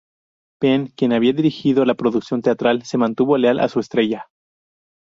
Penn, quien había dirigido la producción teatral, se mantuvo leal a su estrella.